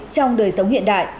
trong đời sống hiện đại